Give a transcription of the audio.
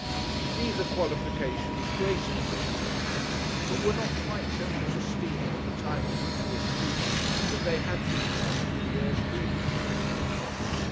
These are qualifications great in official life, but were not quite so much esteemed at the time of which we are speaking as they had been some few years previously.